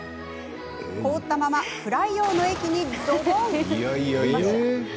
凍ったままフライ用の液にドボン！